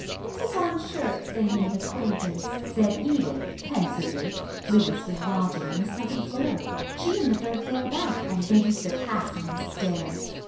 "It was on shirts they made acquaintance," said Edith pensively. "Louis was lodging on the second floor, she in the third floor back, and they used to pass on the stairs.